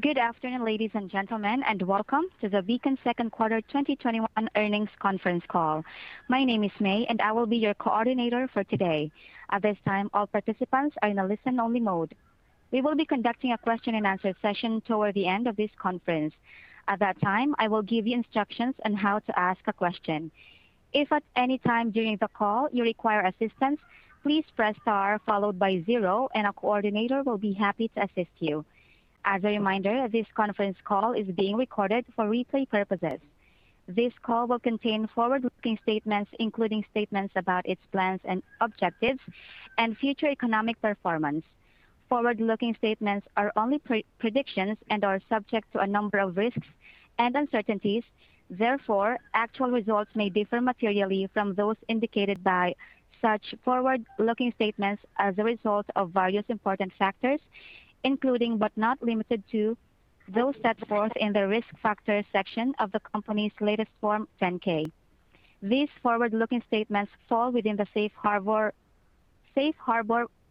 Good afternoon, ladies and gentlemen, and welcome to the Beacon second quarter 2021 earnings conference call. My name is Mei, and I will be your coordinator for today. At this time, all participants are in a listen-only mode. We will be conducting a question-and-answer session toward the end of this conference. At that time, I will give you instructions on how to ask a question. If at any time during the call you require assistance, please press star followed by zero, and a coordinator will be happy to assist you. As a reminder, this conference call is being recorded for replay purposes. This call will contain forward-looking statements, including statements about its plans and objectives and future economic performance. Forward-looking statements are only predictions and are subject to a number of risks and uncertainties. Therefore, actual results may differ materially from those indicated by such forward-looking statements as a result of various important factors, including, but not limited to, those set forth in the Risk Factors section of the company's latest Form 10-K. These forward-looking statements fall within the safe harbor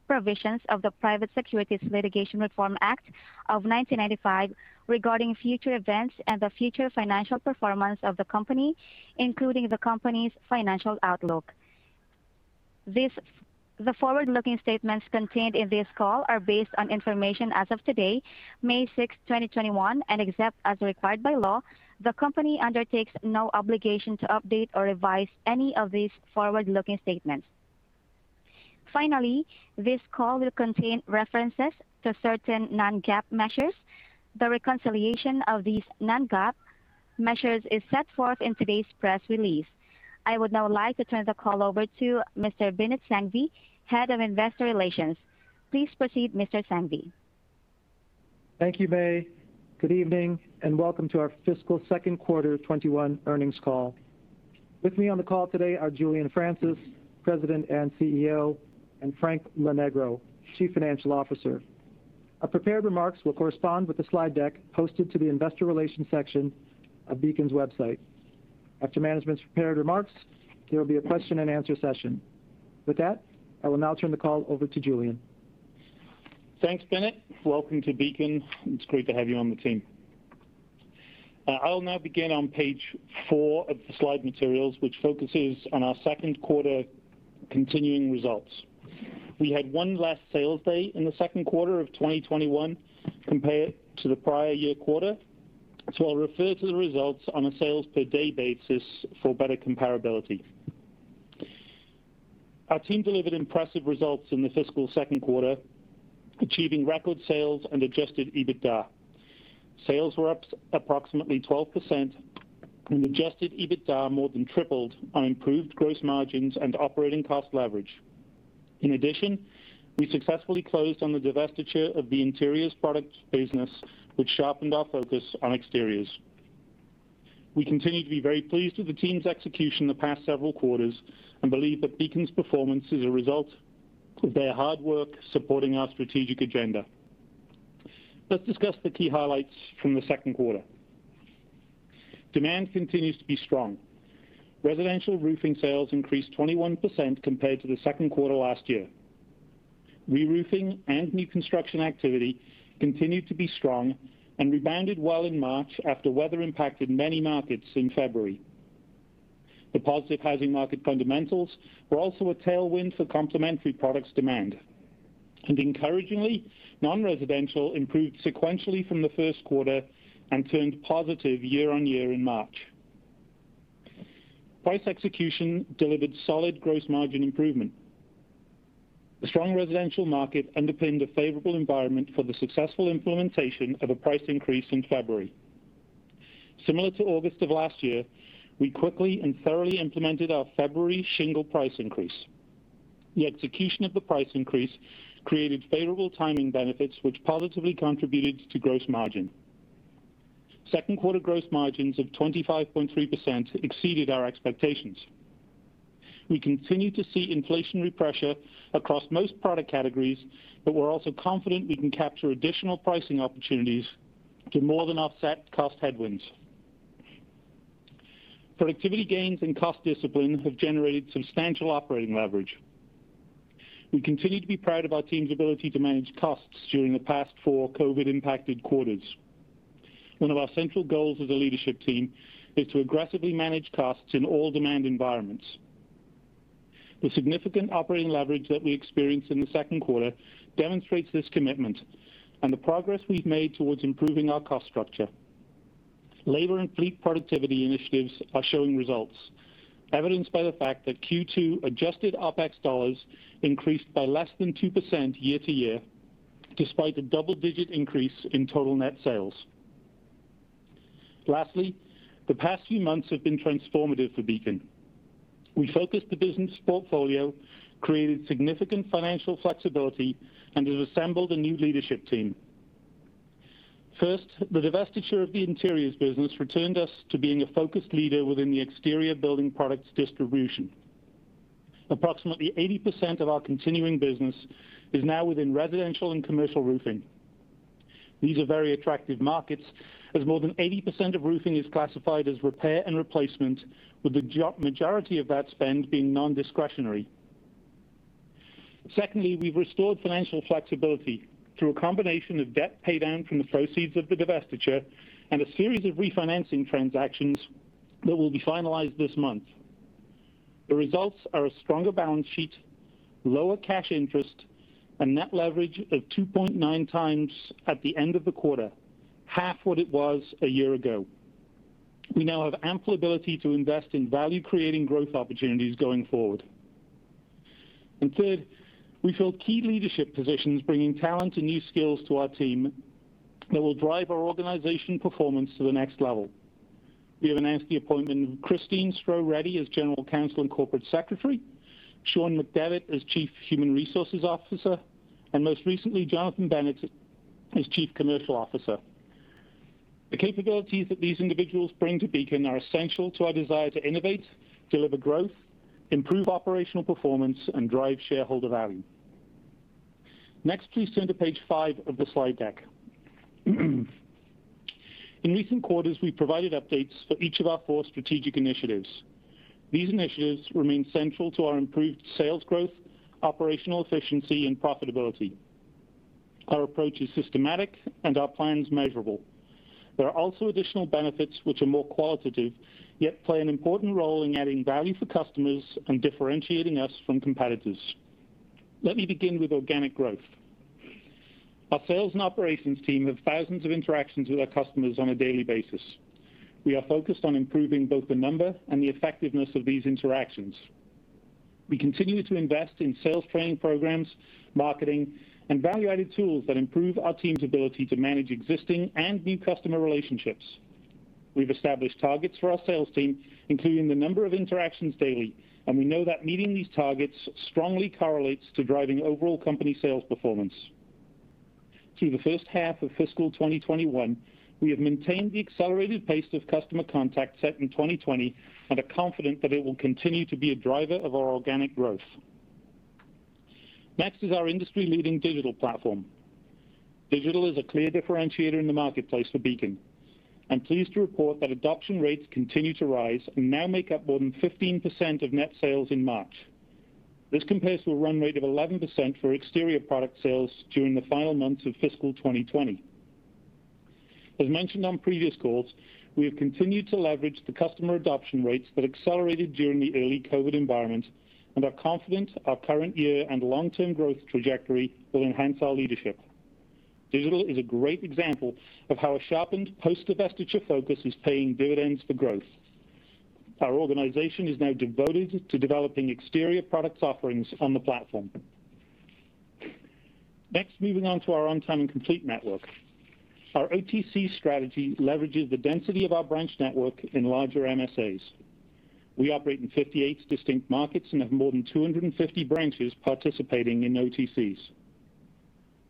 provisions of the Private Securities Litigation Reform Act of 1995 regarding future events and the future financial performance of the company, including the company's financial outlook. The forward-looking statements contained in this call are based on information as of today, May 6th, 2021, and except as required by law, the company undertakes no obligation to update or revise any of these forward-looking statements. Finally, this call will contain references to certain non-GAAP measures. The reconciliation of these non-GAAP measures is set forth in today's press release. I would now like to turn the call over to Mr. Binit Sanghvi, Head of Investor Relations. Please proceed, Mr. Sanghvi. Thank you, Mei. Good evening, and welcome to our fiscal Q2 2021 earnings call. With me on the call today are Julian Francis, President and CEO, and Frank Lonegro, Chief Financial Officer. Our prepared remarks will correspond with the slide deck posted to the Investor Relations section of Beacon's website. After management's prepared remarks, there will be a question-and-answer session. With that, I will now turn the call over to Julian. Thanks, Binit. Welcome to Beacon. It's great to have you on the team. I will now begin on page four of the slide materials, which focuses on our second quarter continuing results. We had one less sales day in the second quarter of 2021 compared to the prior year quarter, so I'll refer to the results on a sales per day basis for better comparability. Our team delivered impressive results in the fiscal second quarter, achieving record sales and adjusted EBITDA. Sales were up approximately 12%, and adjusted EBITDA more than tripled on improved gross margins and operating cost leverage. In addition, we successfully closed on the divestiture of the Interior Products business, which sharpened our focus on exteriors. We continue to be very pleased with the team's execution in the past several quarters and believe that Beacon's performance is a result of their hard work supporting our strategic agenda. Let's discuss the key highlights from the second quarter. Demand continues to be strong. Residential roofing sales increased 21% compared to the second quarter last year. Re-roofing and new construction activity continued to be strong and rebounded well in March after weather impacted many markets in February. The positive housing market fundamentals were also a tailwind for complementary products demand. Encouragingly, non-residential improved sequentially from the first quarter and turned positive year-on-year in March. Price execution delivered solid gross margin improvement. The strong residential market underpinned a favorable environment for the successful implementation of a price increase in February. Similar to August of last year, we quickly and thoroughly implemented our February shingle price increase. The execution of the price increase created favorable timing benefits, which positively contributed to gross margin. Second quarter gross margins of 25.3% exceeded our expectations. We continue to see inflationary pressure across most product categories, but we're also confident we can capture additional pricing opportunities to more than offset cost headwinds. Productivity gains and cost discipline have generated substantial operating leverage. We continue to be proud of our team's ability to manage costs during the past four COVID-impacted quarters. One of our central goals as a leadership team is to aggressively manage costs in all demand environments. The significant operating leverage that we experienced in the second quarter demonstrates this commitment and the progress we've made towards improving our cost structure. Labor and fleet productivity initiatives are showing results, evidenced by the fact that Q2 adjusted OpEx dollars increased by less than 2% year-over-year, despite the double-digit increase in total net sales. Lastly, the past few months have been transformative for Beacon. We focused the business portfolio, created significant financial flexibility, and have assembled a new leadership team. First, the divestiture of the Interiors business returned us to being a focused leader within the exterior building products distribution. Approximately 80% of our continuing business is now within residential and commercial roofing. These are very attractive markets, as more than 80% of roofing is classified as repair and replacement, with the majority of that spend being non-discretionary. Secondly, we've restored financial flexibility through a combination of debt pay-down from the proceeds of the divestiture and a series of refinancing transactions that will be finalized this month. The results are a stronger balance sheet, lower cash interest, a net leverage of 2.9x at the end of the quarter, half what it was a year ago. We now have ample ability to invest in value-creating growth opportunities going forward. Third, we filled key leadership positions bringing talent and new skills to our team that will drive our organization performance to the next level. We have announced the appointment of Christine Stroh Reddy as General Counsel and Corporate Secretary, Sean McDevitt as Chief Human Resources Officer, and most recently, Jonathan Bennett as Chief Commercial Officer. The capabilities that these individuals bring to Beacon are essential to our desire to innovate, deliver growth, improve operational performance, and drive shareholder value. Next, please turn to page five of the slide deck. In recent quarters, we provided updates for each of our four strategic initiatives. These initiatives remain central to our improved sales growth, operational efficiency, and profitability. Our approach is systematic, and our plans measurable. There are also additional benefits which are more qualitative, yet play an important role in adding value for customers and differentiating us from competitors. Let me begin with organic growth. Our sales and operations team have thousands of interactions with our customers on a daily basis. We are focused on improving both the number and the effectiveness of these interactions. We continue to invest in sales training programs, marketing, and value-added tools that improve our team's ability to manage existing and new customer relationships. We've established targets for our sales team, including the number of interactions daily, and we know that meeting these targets strongly correlates to driving overall company sales performance. Through the first half of fiscal 2021, we have maintained the accelerated pace of customer contact set in 2020 and are confident that it will continue to be a driver of our organic growth. Our industry-leading digital platform. Digital is a clear differentiator in the marketplace for Beacon. I'm pleased to report that adoption rates continue to rise and now make up more than 15% of net sales in March. This compares to a run rate of 11% for exterior product sales during the final months of fiscal 2020. As mentioned on previous calls, we have continued to leverage the customer adoption rates that accelerated during the early COVID environment and are confident our current year and long-term growth trajectory will enhance our leadership. Digital is a great example of how a sharpened post-divestiture focus is paying dividends for growth. Our organization is now devoted to developing exterior products offerings on the platform. Next, moving on to our On-Time and Complete network. Our OTC strategy leverages the density of our branch network in larger MSAs. We operate in 58 distinct markets and have more than 250 branches participating in OTCs.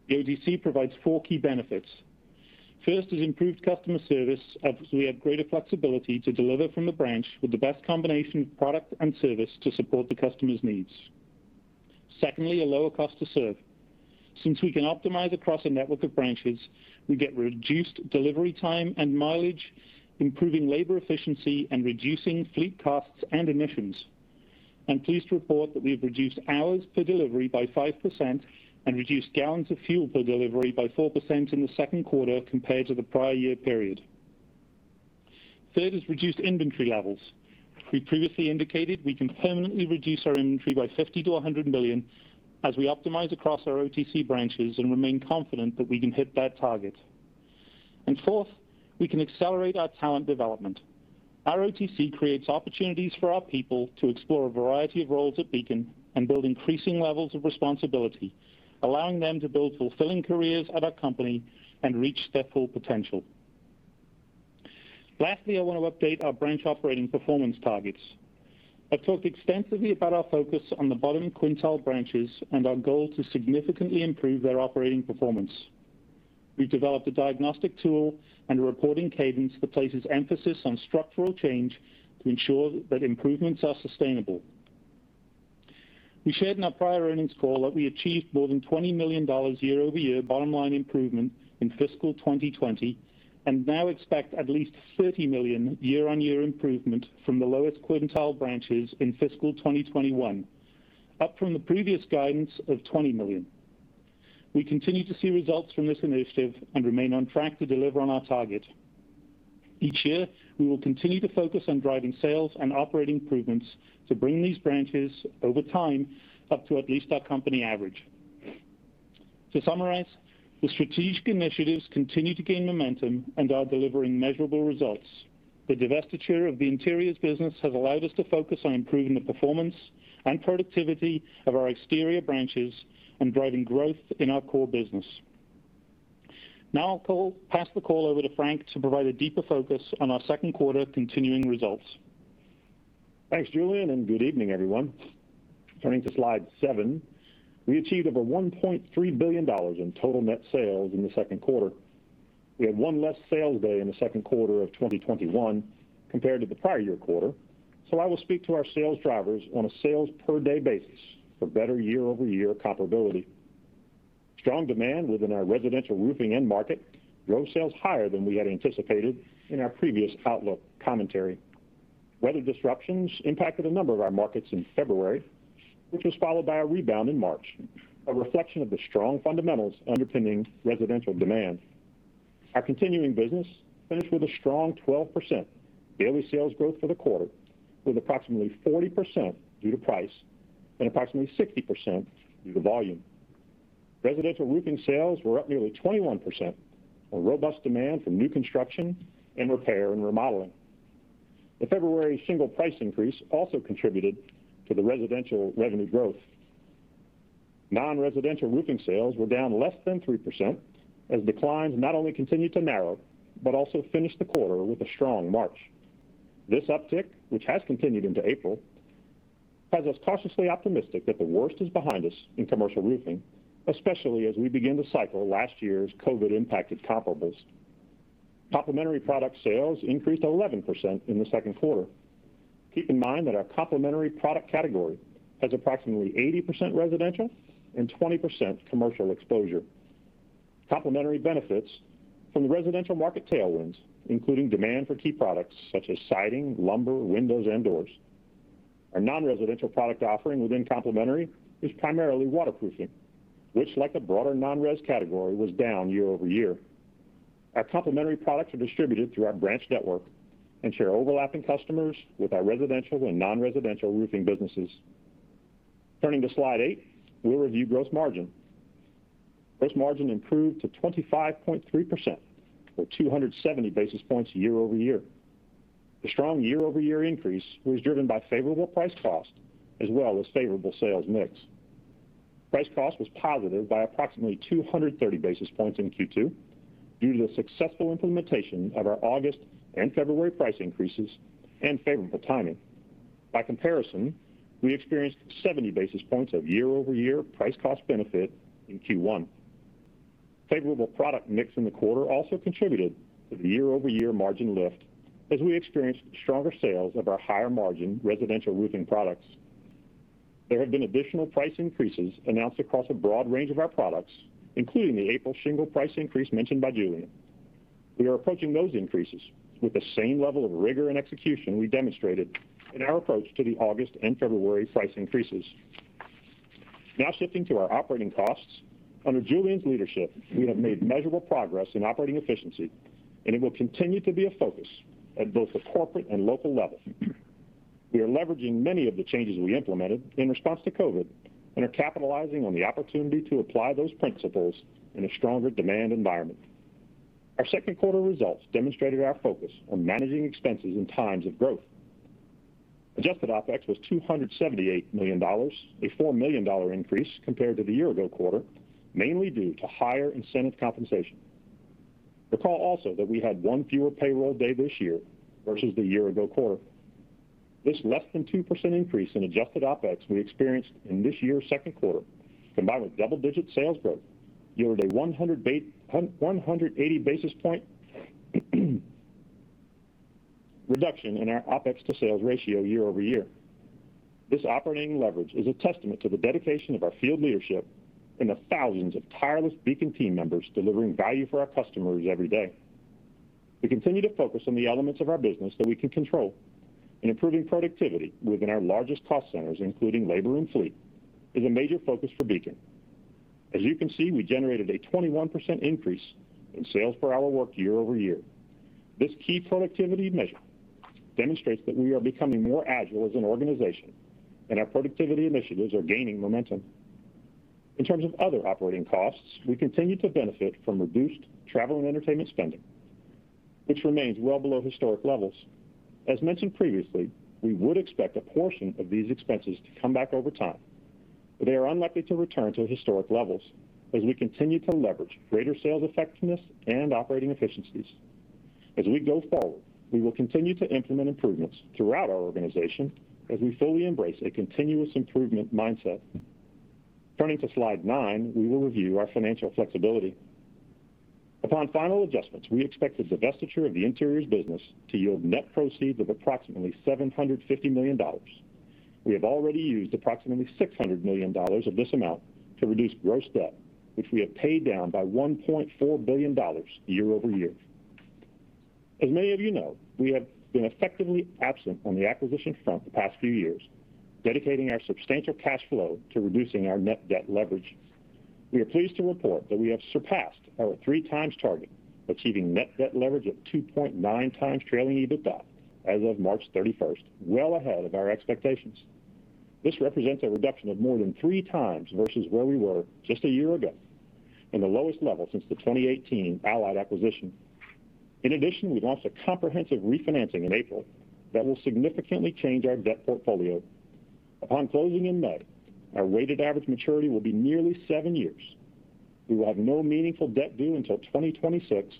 The OTC provides four key benefits. First is improved customer service, as we have greater flexibility to deliver from the branch with the best combination of product and service to support the customer's needs. Secondly, a lower cost to serve. Since we can optimize across a network of branches, we get reduced delivery time and mileage, improving labor efficiency and reducing fleet costs and emissions. I'm pleased to report that we have reduced hours per delivery by 5% and reduced gallons of fuel per delivery by 4% in the second quarter compared to the prior year period. Third is reduced inventory levels. We previously indicated we can permanently reduce our inventory by $50 million-$100 million as we optimize across our OTC branches and remain confident that we can hit that target. Fourth, we can accelerate our talent development. Our OTC creates opportunities for our people to explore a variety of roles at Beacon and build increasing levels of responsibility, allowing them to build fulfilling careers at our company and reach their full potential. I want to update our branch operating performance targets. I've talked extensively about our focus on the bottom quintile branches and our goal to significantly improve their operating performance. We've developed a diagnostic tool and a reporting cadence that places emphasis on structural change to ensure that improvements are sustainable. We shared in our prior earnings call that we achieved more than $20 million year-over-year bottom-line improvement in fiscal 2020, and now expect at least $30 million year-on-year improvement from the lowest quintile branches in fiscal 2021, up from the previous guidance of $20 million. We continue to see results from this initiative and remain on track to deliver on our target. Each year, we will continue to focus on driving sales and operating improvements to bring these branches over time up to at least our company average. To summarize, the strategic initiatives continue to gain momentum and are delivering measurable results. The divestiture of the interiors business has allowed us to focus on improving the performance and productivity of our exterior branches and driving growth in our core business. I'll pass the call over to Frank to provide a deeper focus on our second quarter continuing results. Thanks, Julian. Good evening, everyone. Turning to slide seven, we achieved over $1.3 billion in total net sales in the second quarter. We had one less sales day in the second quarter of 2021 compared to the prior year quarter. I will speak to our sales drivers on a sales per day basis for better year-over-year comparability. Strong demand within our residential roofing end market drove sales higher than we had anticipated in our previous outlook commentary. Weather disruptions impacted a number of our markets in February, which was followed by a rebound in March, a reflection of the strong fundamentals underpinning residential demand. Our continuing business finished with a strong 12% daily sales growth for the quarter, with approximately 40% due to price and approximately 60% due to volume. Residential roofing sales were up nearly 21%, a robust demand for new construction and repair and remodeling. The February shingle price increase also contributed to the residential revenue growth. Non-residential roofing sales were down less than 3%, as declines not only continued to narrow, but also finished the quarter with a strong March. This uptick, which has continued into April, has us cautiously optimistic that the worst is behind us in commercial roofing, especially as we begin to cycle last year's COVID-impacted comparables. Complementary product sales increased 11% in the second quarter. Keep in mind that our complementary product category has approximately 80% residential and 20% commercial exposure. Complementary benefits from the residential market tailwinds, including demand for key products such as siding, lumber, windows, and doors. Our non-residential product offering within complementary is primarily waterproofing, which like the broader non-res category, was down year-over-year. Our complementary products are distributed through our branch network and share overlapping customers with our residential and non-residential roofing businesses. Turning to slide eight, we'll review gross margin. Gross margin improved to 25.3%, or 270 basis points year-over-year. The strong year-over-year increase was driven by favorable price cost as well as favorable sales mix. Price cost was positive by approximately 230 basis points in Q2 due to the successful implementation of our August and February price increases and favorable timing. By comparison, we experienced 70 basis points of year-over-year price cost benefit in Q1. Favorable product mix in the quarter also contributed to the year-over-year margin lift as we experienced stronger sales of our higher margin residential roofing products. There have been additional price increases announced across a broad range of our products, including the April shingle price increase mentioned by Julian. We are approaching those increases with the same level of rigor and execution we demonstrated in our approach to the August and February price increases. Now shifting to our operating costs. Under Julian's leadership, we have made measurable progress in operating efficiency, and it will continue to be a focus at both the corporate and local level. We are leveraging many of the changes we implemented in response to COVID and are capitalizing on the opportunity to apply those principles in a stronger demand environment. Our second quarter results demonstrated our focus on managing expenses in times of growth. Adjusted OpEx was $278 million, a $4 million increase compared to the year-ago quarter, mainly due to higher incentive compensation. Recall also that we had one fewer payroll day this year versus the year-ago quarter. This less than 2% increase in adjusted OpEx we experienced in this year's second quarter, combined with double-digit sales growth, yielded a 180 basis point reduction in our OpEx to sales ratio year-over-year. This operating leverage is a testament to the dedication of our field leadership and the thousands of tireless Beacon team members delivering value for our customers every day. We continue to focus on the elements of our business that we can control, and improving productivity within our largest cost centers, including labor and fleet, is a major focus for Beacon. As you can see, we generated a 21% increase in sales per hour worked year-over-year. This key productivity measure demonstrates that we are becoming more agile as an organization and our productivity initiatives are gaining momentum. In terms of other operating costs, we continue to benefit from reduced travel and entertainment spending, which remains well below historic levels. As mentioned previously, we would expect a portion of these expenses to come back over time, but they are unlikely to return to historic levels as we continue to leverage greater sales effectiveness and operating efficiencies. As we go forward, we will continue to implement improvements throughout our organization as we fully embrace a continuous improvement mindset. Turning to slide nine, we will review our financial flexibility. Upon final adjustments, we expect the divestiture of the interiors business to yield net proceeds of approximately $750 million. We have already used approximately $600 million of this amount to reduce gross debt, which we have paid down by $1.4 billion year-over-year. As many of you know, we have been effectively absent on the acquisition front the past few years, dedicating our substantial cash flow to reducing our net debt leverage. We are pleased to report that we have surpassed our 3x target, achieving net debt leverage of 2.9x trailing EBITDA as of March 31st, well ahead of our expectations. This represents a reduction of more than 3x versus where we were just a year ago, and the lowest level since the 2018 Allied acquisition. We launched a comprehensive refinancing in April that will significantly change our debt portfolio. Upon closing in May, our weighted average maturity will be nearly seven years. We will have no meaningful debt due until 2026,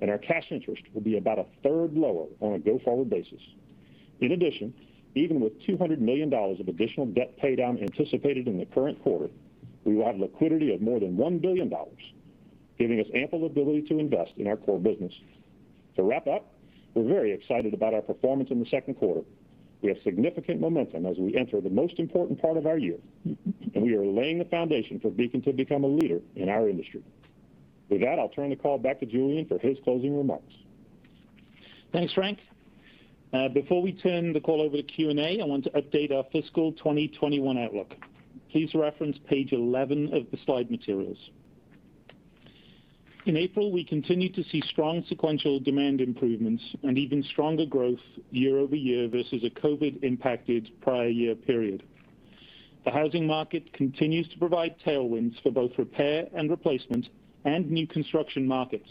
and our cash interest will be about a third lower on a go-forward basis. Even with $200 million of additional debt paydown anticipated in the current quarter, we will have liquidity of more than $1 billion, giving us ample ability to invest in our core business. To wrap up, we're very excited about our performance in the second quarter. We have significant momentum as we enter the most important part of our year, and we are laying the foundation for Beacon to become a leader in our industry. With that, I'll turn the call back to Julian for his closing remarks. Thanks, Frank. Before we turn the call over to Q&A, I want to update our fiscal 2021 outlook. Please reference page 11 of the slide materials. In April, we continued to see strong sequential demand improvements and even stronger growth year-over-year versus a COVID-impacted prior year period. The housing market continues to provide tailwinds for both repair and replacement and new construction markets.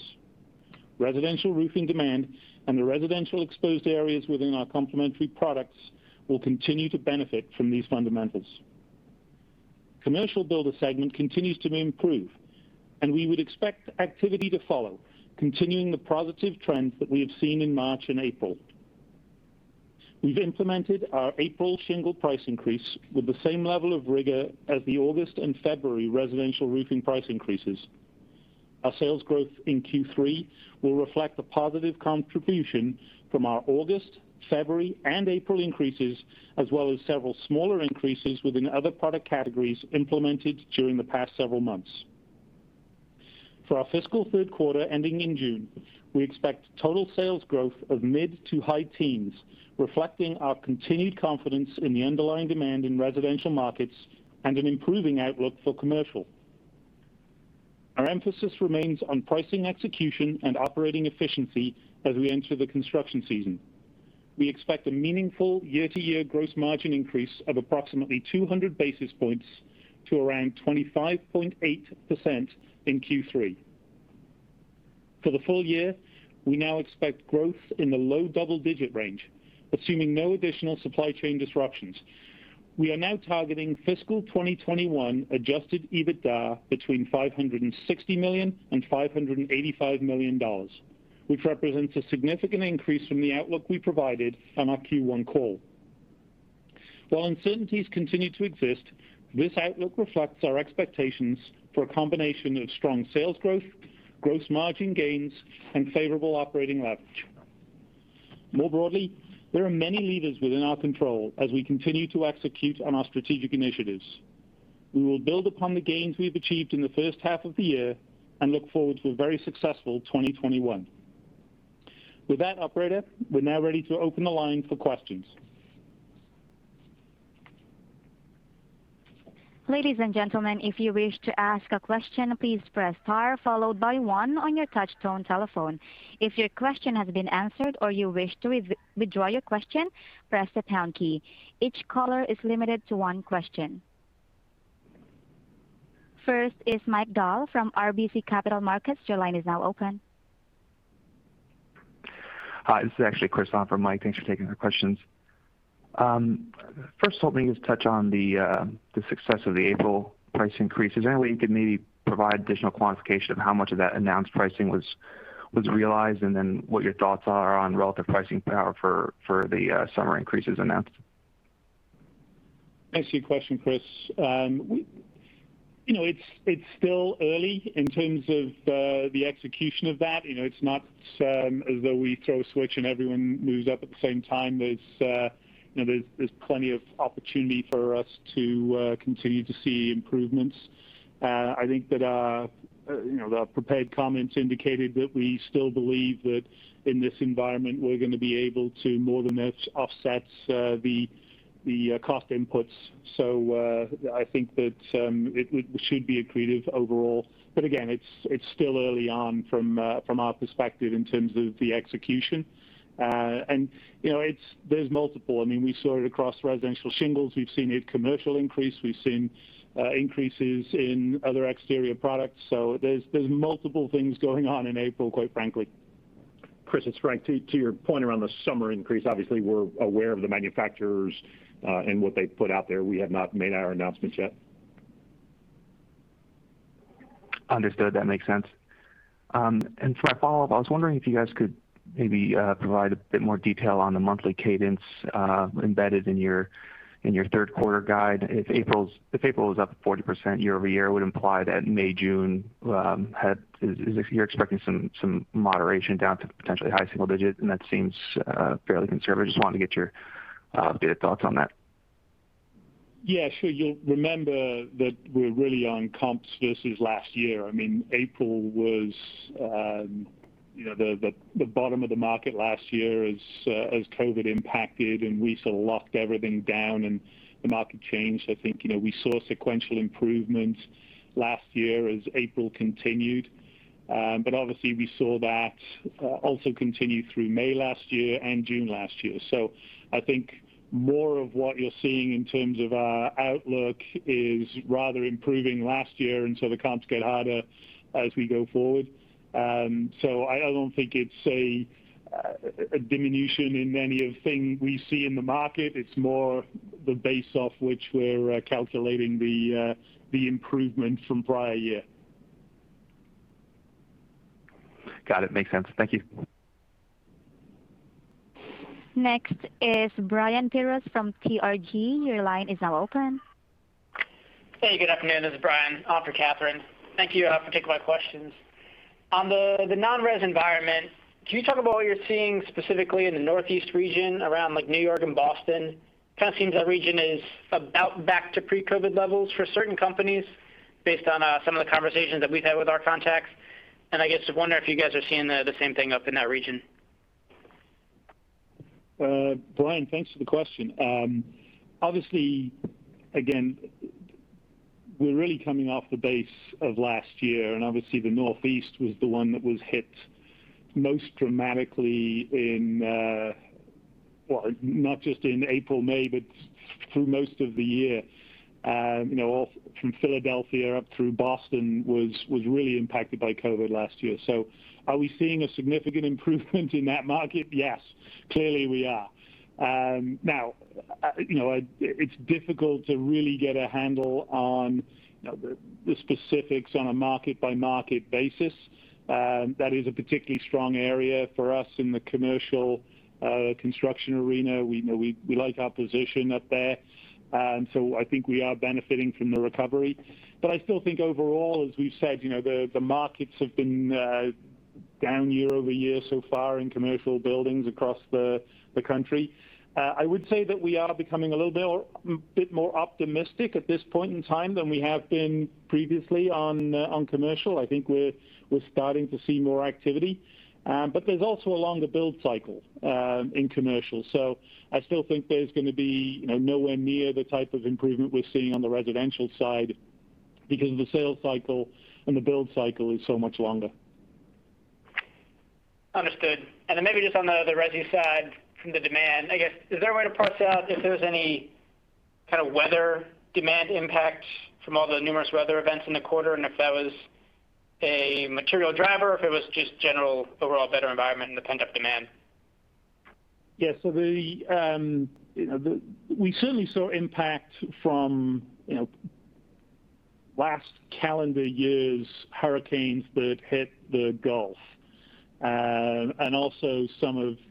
Residential roofing demand and the residential exposed areas within our complementary products will continue to benefit from these fundamentals. Commercial builder segment continues to improve, and we would expect activity to follow, continuing the positive trends that we have seen in March and April. We've implemented our April shingle price increase with the same level of rigor as the August and February residential roofing price increases. Our sales growth in Q3 will reflect the positive contribution from our August, February, and April increases, as well as several smaller increases within other product categories implemented during the past several months. For our fiscal third quarter ending in June, we expect total sales growth of mid to high teens, reflecting our continued confidence in the underlying demand in residential markets and an improving outlook for commercial. Our emphasis remains on pricing execution and operating efficiency as we enter the construction season. We expect a meaningful year-to-year gross margin increase of approximately 200 basis points to around 25.8% in Q3. For the full year, we now expect growth in the low double-digit range, assuming no additional supply chain disruptions. We are now targeting fiscal 2021 adjusted EBITDA between $560 million and $585 million, which represents a significant increase from the outlook we provided on our Q1 call. While uncertainties continue to exist, this outlook reflects our expectations for a combination of strong sales growth, gross margin gains, and favorable operating leverage. More broadly, there are many levers within our control as we continue to execute on our strategic initiatives. We will build upon the gains we've achieved in the first half of the year and look forward to a very successful 2021. With that, operator, we're now ready to open the line for questions. Ladies and gentlemen, if you wish to ask a question, please press star followed by one on your touch tone telephone. If your question has been answered or you wish to withdraw your question, press the pound key. Each caller is limited to one question. First is Mike Dahl from RBC Capital Markets. Your line is now open. Hi, this is actually Chris on for Mike. Thanks for taking our questions. First, let me just touch on the success of the April price increases. Any way you could maybe provide additional quantification of how much of that announced pricing was realized, and then what your thoughts are on relative pricing power for the summer increases announced? Thanks for your question, Chris. It's still early in terms of the execution of that. It's not as though we throw a switch and everyone moves up at the same time. There's plenty of opportunity for us to continue to see improvements. I think that our prepared comments indicated that we still believe that in this environment, we're going to be able to more than offset the cost inputs. I think that it should be accretive overall. Again, it's still early on from our perspective in terms of the execution. There's multiple. We saw it across residential shingles. We've seen it commercial increase. We've seen increases in other exterior products. There's multiple things going on in April, quite frankly. Chris, it's Frank. To your point around the summer increase, obviously, we're aware of the manufacturers, and what they put out there. We have not made our announcements yet. Understood. That makes sense. For my follow-up, I was wondering if you guys could maybe provide a bit more detail on the monthly cadence embedded in your third quarter guide. If April was up 40% year-over-year, it would imply that you're expecting some moderation down to potentially high single digit, that seems fairly conservative. Just wanted to get your bit of thoughts on that. Yeah, sure. You'll remember that we're really on comps versus last year. April was the bottom of the market last year as COVID impacted, and we sort of locked everything down and the market changed. I think we saw sequential improvements last year as April continued. Obviously, we saw that also continue through May last year and June last year. I think more of what you're seeing in terms of our outlook is rather improving last year until the comps get harder as we go forward. I don't think it's a diminution in any of thing we see in the market. It's more the base off which we're calculating the improvement from prior year. Got it. Makes sense. Thank you. Next is Brian Biros from TRG. Your line is now open. Hey, good afternoon. This is Brian on for Kathryn. Thank you for taking my questions. On the non-res environment, can you talk about what you're seeing specifically in the Northeast region around New York and Boston? Kind of seems that region is about back to pre-COVID levels for certain companies based on some of the conversations that we've had with our contacts. I guess I wonder if you guys are seeing the same thing up in that region. Brian, thanks for the question. Obviously, again, we're really coming off the base of last year, and obviously the Northeast was the one that was hit most dramatically, not just in April, May, but through most of the year. From Philadelphia up through Boston was really impacted by COVID last year. Are we seeing a significant improvement in that market? Yes. Clearly we are. Now, it's difficult to really get a handle on the specifics on a market-by-market basis. That is a particularly strong area for us in the commercial construction arena. We like our position up there. I think we are benefiting from the recovery. I still think overall, as we've said, the markets have been down year-over-year so far in commercial buildings across the country. I would say that we are becoming a little bit more optimistic at this point in time than we have been previously on commercial. I think we're starting to see more activity. There's also a longer build cycle in commercial. I still think there's going to be nowhere near the type of improvement we're seeing on the residential side because of the sales cycle and the build cycle is so much longer. Understood. Maybe just on the resi side from the demand, I guess, is there a way to parse out if there's any kind of weather demand impact from all the numerous weather events in the quarter, and if that was a material driver or if it was just general overall better environment and the pent-up demand? Yeah. We certainly saw impact from last calendar year's hurricanes that hit the Gulf. Also some of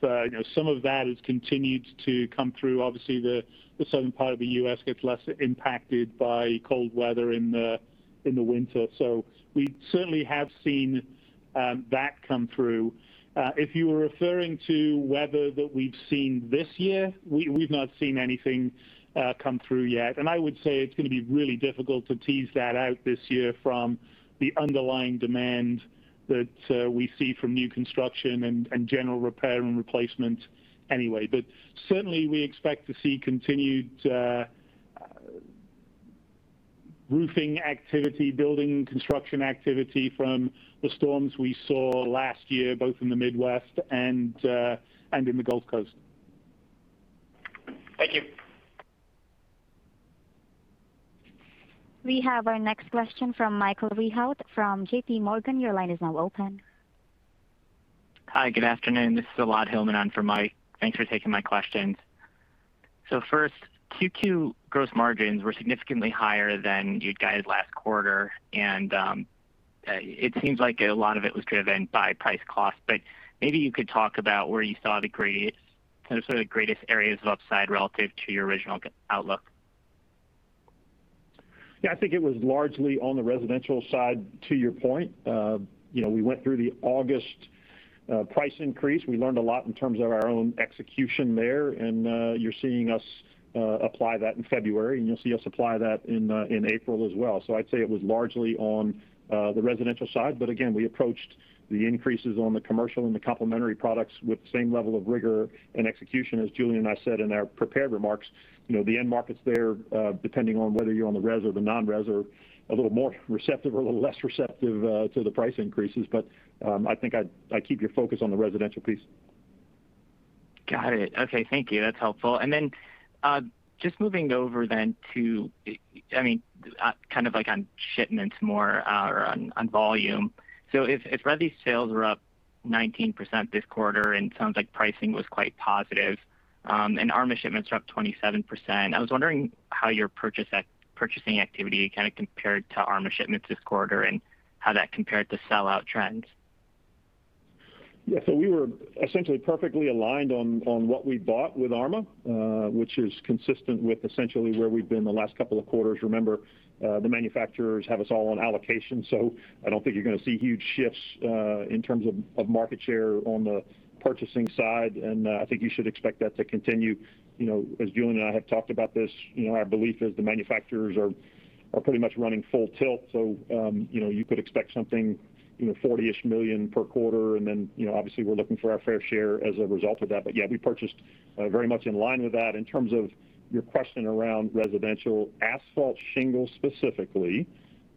that has continued to come through. Obviously, the southern part of the U.S. gets less impacted by cold weather in the winter. We certainly have seen that come through. If you were referring to weather that we've seen this year, we've not seen anything come through yet. I would say it's going to be really difficult to tease that out this year from the underlying demand that we see from new construction and general repair and replacement anyway. Certainly, we expect to see continued roofing activity, building construction activity from the storms we saw last year, both in the Midwest and in the Gulf Coast. Thank you. We have our next question from Michael Rehaut from JPMorgan. Hi, good afternoon. This is Elad Hillman on for Mike. Thanks for taking my questions. First, Q2 gross margins were significantly higher than you'd guided last quarter, and it seems like a lot of it was driven by price cost. Maybe you could talk about where you saw the greatest areas of upside relative to your original outlook. Yeah, I think it was largely on the residential side to your point. We went through the August price increase. We learned a lot in terms of our own execution there, and you're seeing us apply that in February, and you'll see us apply that in April as well. I'd say it was largely on the residential side. Again, we approached the increases on the commercial and the complementary products with the same level of rigor and execution. As Julian and I said in our prepared remarks, the end markets there, depending on whether you're on the res or the non-res, are a little more receptive or a little less receptive to the price increases. I think I'd keep your focus on the residential piece. Got it. Okay. Thank you. That's helpful. Just moving over then to, kind of on shipments more or on volume. If resi sales were up 19% this quarter and sounds like pricing was quite positive, ARMA shipments were up 27%, I was wondering how your purchasing activity kind of compared to ARMA shipments this quarter and how that compared to sell-out trends. Yeah. We were essentially perfectly aligned on what we bought with ARMA, which is consistent with essentially where we've been the last couple of quarters. Remember, the manufacturers have us all on allocation. I don't think you're going to see huge shifts in terms of market share on the purchasing side. I think you should expect that to continue. As Julian and I have talked about this, our belief is the manufacturers are pretty much running full tilt. You could expect something $40-ish million per quarter. Obviously we're looking for our fair share as a result of that. Yeah, we purchased very much in line with that. In terms of your question around residential asphalt shingles specifically,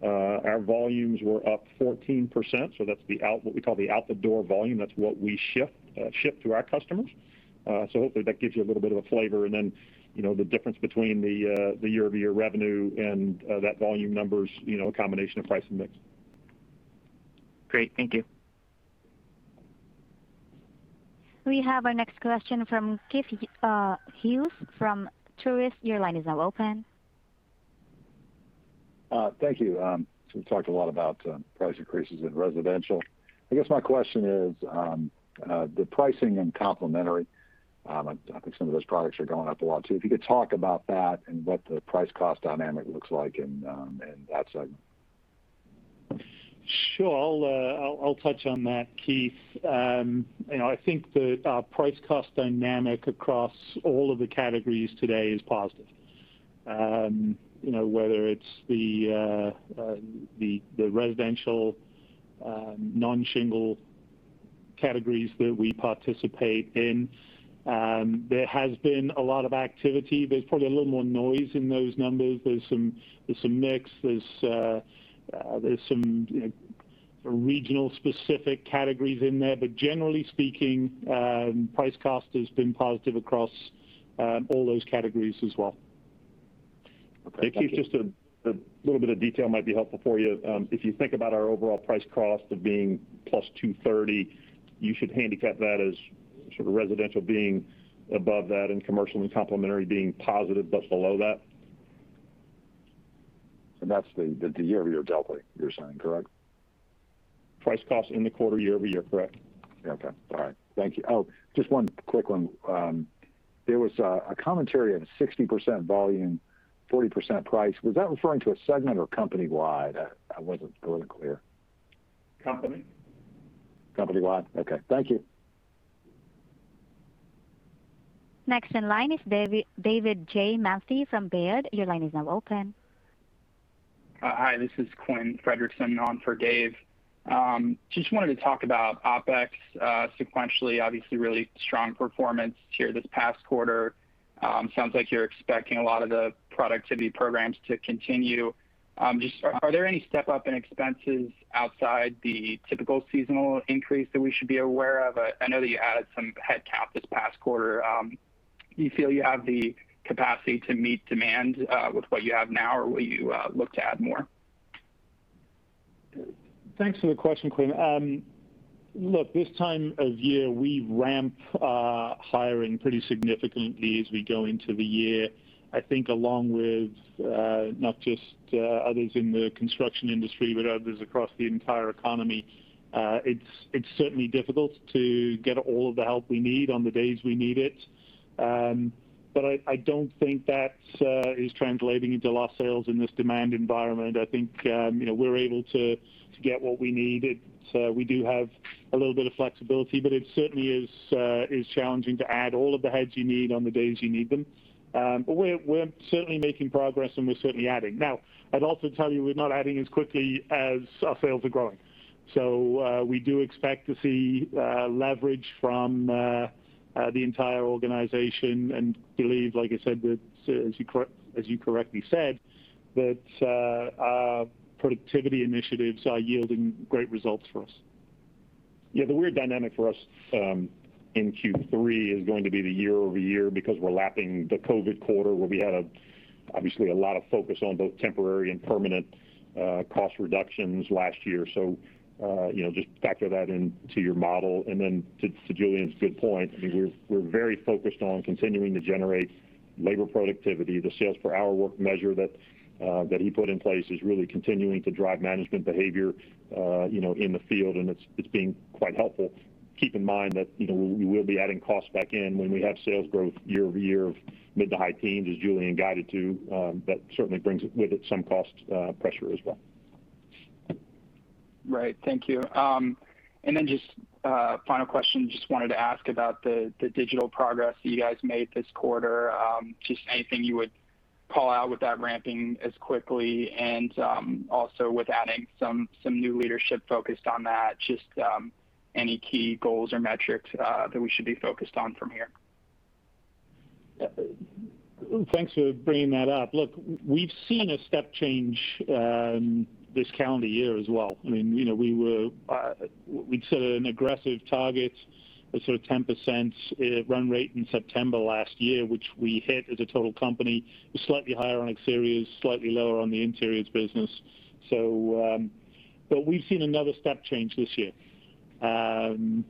our volumes were up 14%. That's what we call the out-the-door volume. That's what we ship to our customers. Hopefully that gives you a little bit of a flavor. The difference between the year-over-year revenue and that volume number's a combination of price and mix. Great. Thank you. We have our next question from Keith Hughes from Truist. Your line is now open. Thank you. We've talked a lot about price increases in residential. I guess my question is the pricing and complementary, I think some of those products are going up a lot too. If you could talk about that and what the price cost dynamic looks like in that segment. Sure. I'll touch on that, Keith. I think the price cost dynamic across all of the categories today is positive. Whether it's the residential non-shingle categories that we participate in, there has been a lot of activity. There's probably a little more noise in those numbers. There's some mix. There's some regional specific categories in there. Generally speaking, price cost has been positive across all those categories as well. Okay. Thank you. Hey, Keith, just a little bit of detail might be helpful for you. If you think about our overall price cost of being plus 230, you should handicap that as sort of residential being above that and commercial and complementary being positive, but below that. That's the year-over-year delta you're saying, correct? Price cost in the quarter year-over-year. Correct. Okay. All right. Thank you. Oh, just one quick one. There was a commentary on 60% volume, 40% price. Was that referring to a segment or company-wide? That wasn't really clear. Company. Company-wide. Okay. Thank you. Next in line is David Manthey from Baird. Your line is now open. Hi, this is Quinn Fredrickson on for Dave. Just wanted to talk about OpEx sequentially. Obviously, really strong performance here this past quarter. Sounds like you're expecting a lot of the productivity programs to continue. Just are there any step-up in expenses outside the typical seasonal increase that we should be aware of? I know that you added some headcount this past quarter. Do you feel you have the capacity to meet demand, with what you have now or will you look to add more? Thanks for the question, Quinn. Look, this time of year, we ramp hiring pretty significantly as we go into the year. I think along with, not just others in the construction industry, but others across the entire economy. It's certainly difficult to get all of the help we need on the days we need it. I don't think that is translating into lost sales in this demand environment. I think we're able to get what we need. We do have a little bit of flexibility, but it certainly is challenging to add all of the heads you need on the days you need them. We're certainly making progress and we're certainly adding. I'd also tell you we're not adding as quickly as our sales are growing. We do expect to see leverage from the entire organization and believe, like I said, as you correctly said, that our productivity initiatives are yielding great results for us. The weird dynamic for us in Q3 is going to be the year-over-year because we're lapping the COVID quarter where we had, obviously, a lot of focus on both temporary and permanent cost reductions last year. Just factor that into your model. To Julian's good point, we're very focused on continuing to generate labor productivity. The sales per hour work measure that he put in place is really continuing to drive management behavior in the field, and it's being quite helpful. Keep in mind that we will be adding cost back in when we have sales growth year-over-year of mid to high teens as Julian guided to. That certainly brings with it some cost pressure as well. Right. Thank you. Then just a final question. Just wanted to ask about the digital progress that you guys made this quarter. Just anything you would call out with that ramping as quickly and also with adding some new leadership focused on that, just any key goals or metrics that we should be focused on from here? Thanks for bringing that up. Look, we've seen a step change this calendar year as well. We'd set an aggressive target, a sort of 10% run rate in September last year, which we hit as a total company, was slightly higher on Exteriors, slightly lower on the Interiors business. But we've seen another step change this year. And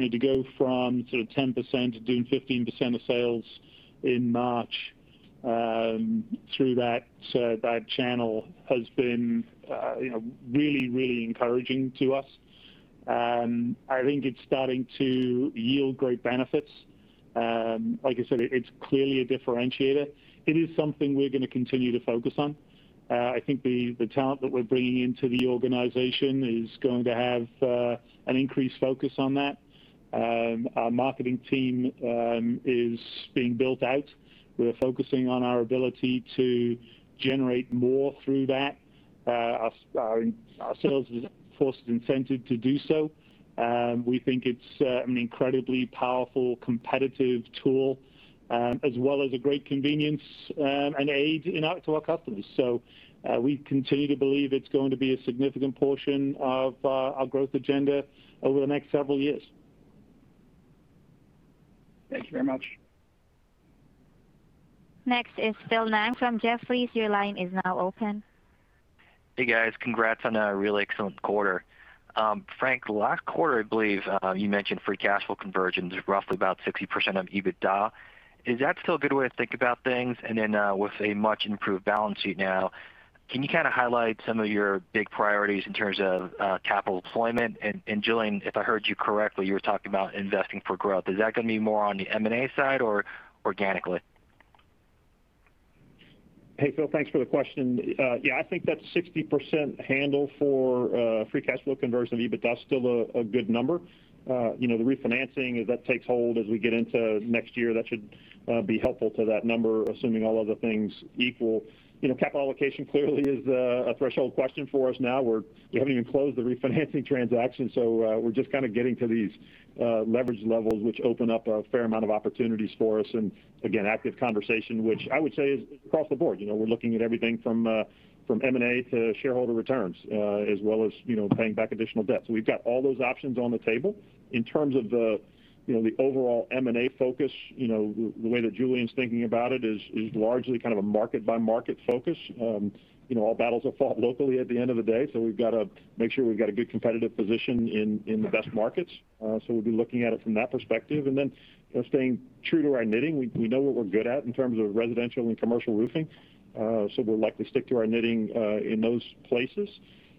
to go from sort of 10% to doing 15% of sales in March through that channel has been really encouraging to us. I think it's starting to yield great benefits. Like I said, it's clearly a differentiator. It is something we're going to continue to focus on. I think the talent that we're bringing into the organization is going to have an increased focus on that. Our marketing team is being built out. We're focusing on our ability to generate more through that. Our sales force is incented to do so. We think it's an incredibly powerful competitive tool, as well as a great convenience and aid to our customers. We continue to believe it's going to be a significant portion of our growth agenda over the next several years. Thank you very much. Next is Phil Ng from Jefferies. Your line is now open. Hey, guys. Congrats on a really excellent quarter. Frank, last quarter, I believe you mentioned free cash flow conversion is roughly about 60% of EBITDA. Is that still a good way to think about things? Then with a much-improved balance sheet now, can you highlight some of your big priorities in terms of capital deployment? Julian, if I heard you correctly, you were talking about investing for growth. Is that going to be more on the M&A side or organically? Hey, Phil. Thanks for the question. I think that 60% handle for free cash flow conversion to EBITDA is still a good number. The refinancing, as that takes hold as we get into next year, that should be helpful to that number, assuming all other things equal. Capital allocation clearly is a threshold question for us now. We haven't even closed the refinancing transaction, we're just getting to these leverage levels, which open up a fair amount of opportunities for us and, again, active conversation, which I would say is across the board. We're looking at everything from M&A to shareholder returns, as well as paying back additional debt. We've got all those options on the table. In terms of the overall M&A focus, the way that Julian's thinking about it is largely a market-by-market focus. All battles are fought locally at the end of the day. We've got to make sure we've got a good competitive position in the best markets. We'll be looking at it from that perspective. We are staying true to our knitting. We know what we're good at in terms of residential and commercial roofing. We'll likely stick to our knitting in those places.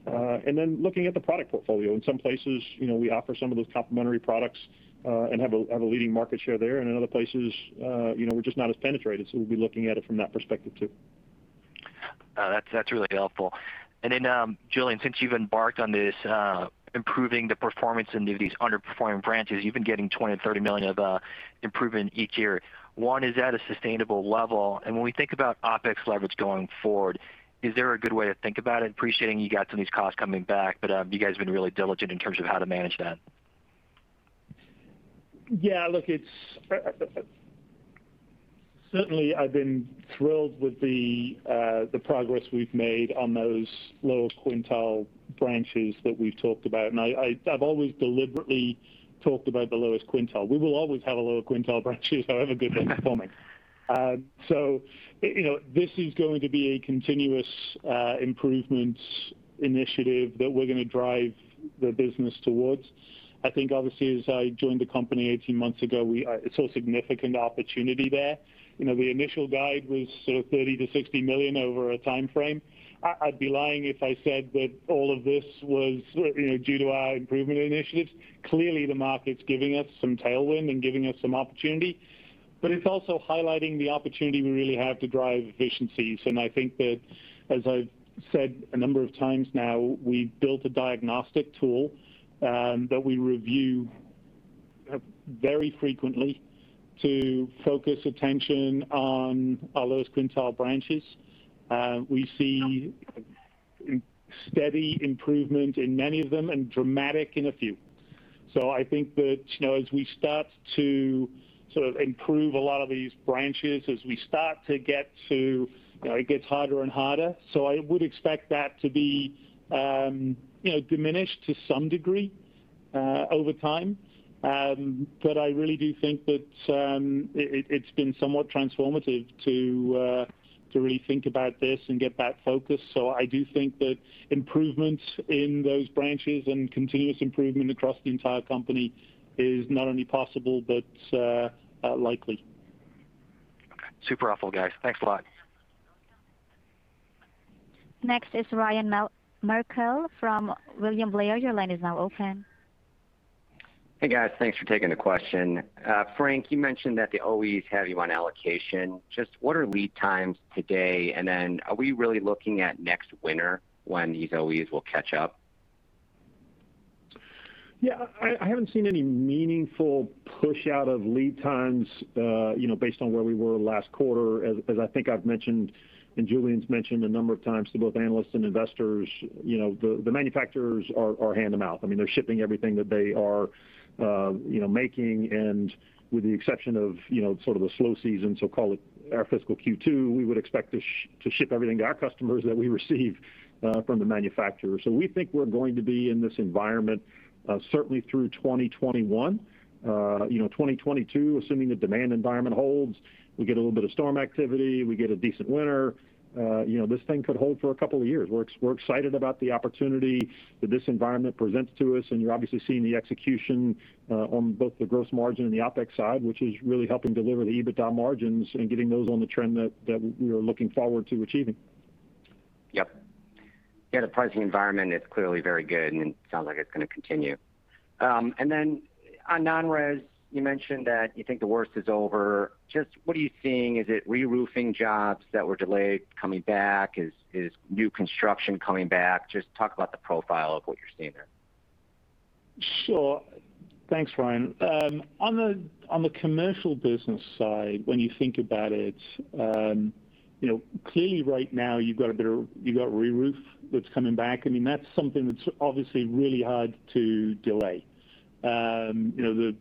We are looking at the product portfolio. In some places, we offer some of those complementary products and have a leading market share there. In other places, we're just not as penetrated. We'll be looking at it from that perspective, too. That's really helpful. Julian, since you've embarked on this improving the performance of these underperforming branches, you've been getting $20 million-$30 million of improvement each year. One, is that a sustainable level? When we think about OpEx leverage going forward, is there a good way to think about it? Appreciating you got some of these costs coming back, have you guys been really diligent in terms of how to manage that? Yeah, look, certainly, I've been thrilled with the progress we've made on those lower quintile branches that we've talked about. I've always deliberately talked about the lowest quintile. We will always have a lower quintile branches, however good they're performing. This is going to be a continuous improvement initiative that we're going to drive the business towards. I think obviously, as I joined the company 18 months ago, I saw significant opportunity there. The initial guide was sort of $30 million-$60 million over a timeframe. I'd be lying if I said that all of this was due to our improvement initiatives. Clearly, the market's giving us some tailwind and giving us some opportunity. It's also highlighting the opportunity we really have to drive efficiencies. I think that, as I've said a number of times now, we've built a diagnostic tool that we review very frequently to focus attention on our lowest quintile branches. We see steady improvement in many of them and dramatic in a few. I think that as we start to improve a lot of these branches, it gets harder and harder. I would expect that to be diminished to some degree over time. I really do think that it's been somewhat transformative to really think about this and get that focus. I do think that improvements in those branches and continuous improvement across the entire company is not only possible, but likely. Okay. Super helpful, guys. Thanks a lot. Next is Ryan Merkel from William Blair. Your line is now open. Hey, guys. Thanks for taking the question. Frank, you mentioned that the OEMs have you on allocation. Just what are lead times today? Are we really looking at next winter when these OEMs will catch up? Yeah, I haven't seen any meaningful push-out of lead times based on where we were last quarter. As I think I've mentioned, and Julian's mentioned a number of times to both analysts and investors, the manufacturers are hand-to-mouth. They're shipping everything that they are making, and with the exception of the slow season, so-called our fiscal Q2, we would expect to ship everything to our customers that we receive from the manufacturers. We think we're going to be in this environment certainly through 2021. 2022, assuming the demand environment holds, we get a little bit of storm activity, we get a decent winter, this thing could hold for a couple of years. We're excited about the opportunity that this environment presents to us, and you're obviously seeing the execution on both the gross margin and the OpEx side, which is really helping deliver the EBITDA margins and getting those on the trend that we are looking forward to achieving. Yep. Yeah, the pricing environment is clearly very good, and it sounds like it's going to continue. On non-res, you mentioned that you think the worst is over. Just what are you seeing? Is it re-roofing jobs that were delayed coming back? Is new construction coming back? Just talk about the profile of what you're seeing there. Sure. Thanks, Ryan. On the commercial business side, when you think about it, clearly right now you've got re-roof that's coming back. That's something that's obviously really hard to delay. The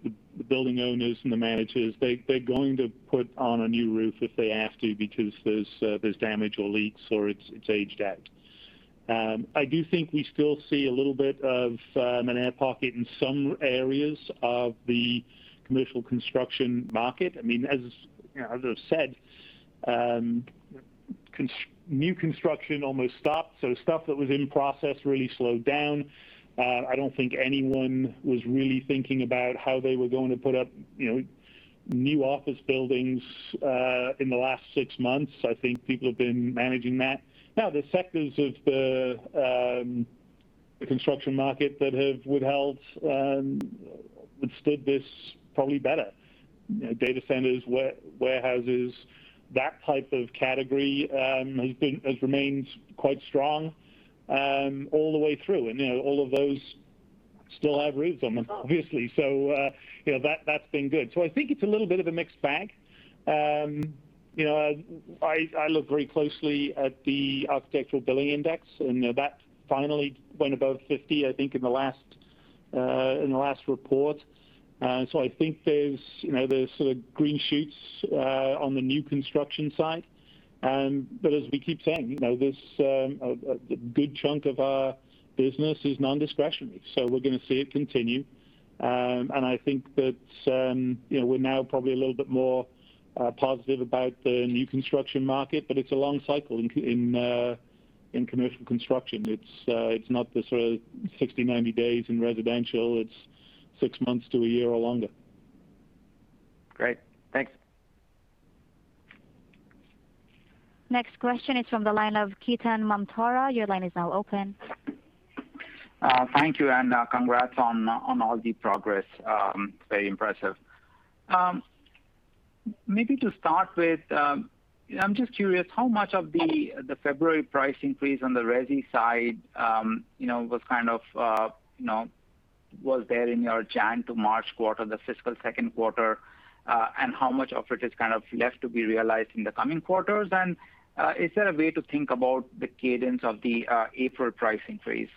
building owners and the managers, they're going to put on a new roof if they have to because there's damage or leaks, or it's aged out. I do think we still see a little bit of an air pocket in some areas of the commercial construction market. New construction almost stopped. Stuff that was in process really slowed down. I don't think anyone was really thinking about how they were going to put up new office buildings in the last six months. I think people have been managing that. There's sectors of the construction market that have withstood this probably better. Data centers, warehouses, that type of category has remained quite strong all the way through. All of those still have roofs on them, obviously. That's been good. I think it's a little bit of a mixed bag. I look very closely at the Architecture Billings Index ,that finally went above 50, I think, in the last report. I think there's sort of green shoots on the new construction site. As we keep saying, a good chunk of our business is non-discretionary, so we're going to see it continue. I think that we're now probably a little bit more positive about the new construction market, but it's a long cycle in commercial construction. It's not the sort of 60, 90 days in residential. It's six months to a year or longer. Great. Thanks. Next question is from the line of Ketan Mamtora. Your line is now open. Thank you. Congrats on all the progress. Very impressive. Maybe to start with, I'm just curious how much of the February price increase on the resi side was there in your January to March quarter, the fiscal second quarter, and how much of it is left to be realized in the coming quarters? Is there a way to think about the cadence of the April price increase?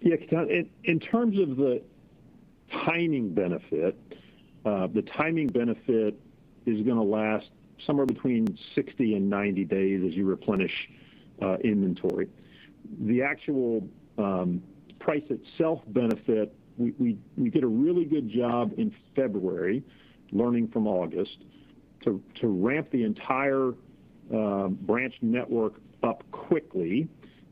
Yeah, Ketan. In terms of the timing benefit, the timing benefit is going to last somewhere between 60 and 90 days as you replenish inventory. The actual price itself benefit, we did a really good job in February, learning from August, to ramp the entire branch network up quickly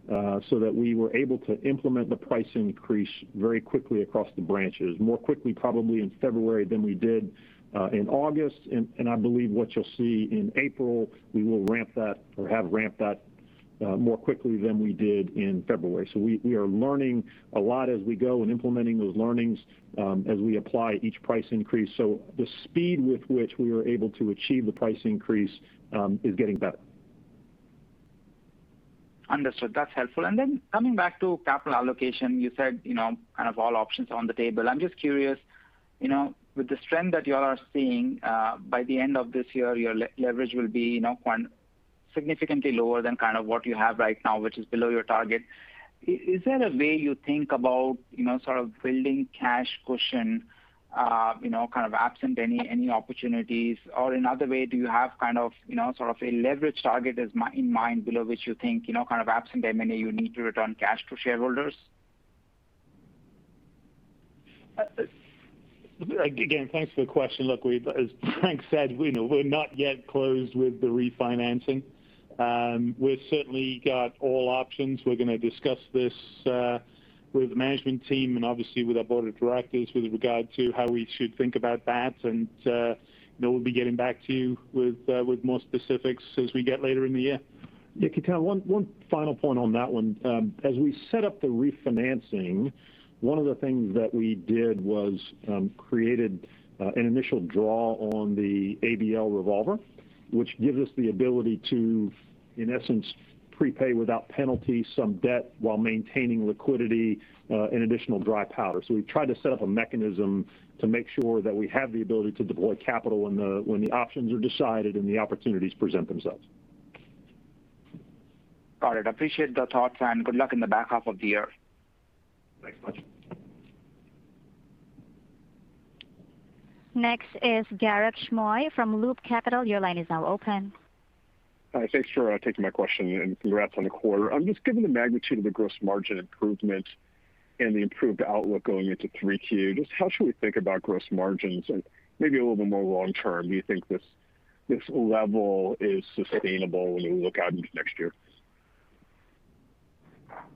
so that we were able to implement the price increase very quickly across the branches. More quickly probably in February than we did in August. I believe what you'll see in April, we will ramp that or have ramped that more quickly than we did in February. We are learning a lot as we go and implementing those learnings as we apply each price increase. The speed with which we are able to achieve the price increase is getting better. Understood. That's helpful. Coming back to capital allocation, you said all options are on the table. I'm just curious, with the strength that you all are seeing, by the end of this year, your leverage will be significantly lower than what you have right now, which is below your target. Is there a way you think about building cash cushion absent any opportunities? Another way, do you have a leverage target in mind below which you think, absent M&A, you need to return cash to shareholders? Again, thanks for the question. as Frank said, we're not yet closed with the refinancing. We've certainly got all options. We're going to discuss this with the management team and obviously with our board of directors with regard to how we should think about that. we'll be getting back to you with more specifics as we get later in the year. Ketan, one final point on that one. we set up the refinancing, one of the things that we did was created an initial draw on the ABL revolver, which gives us the ability to, in essence, prepay without penalty some debt while maintaining liquidity and additional dry powder. we've tried to set up a mechanism to make sure that we have the ability to deploy capital when the options are decided and the opportunities present themselves. Got it. Appreciate the thoughts, and good luck in the back half of the year. Thanks much. Next is Garik Shmois from Loop Capital. Your line is now open. Hi. Thanks for taking my question, and congrats on the quarter. Just given the magnitude of the gross margin improvement and the improved outlook going into 3Q, just how should we think about gross margins? Maybe a little bit more long term, do you think this level is sustainable when we look out into next year?